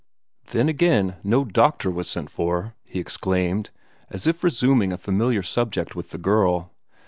"Then, again, no doctor was sent for!" he exclaimed, as if resuming a familiar subject with the girl.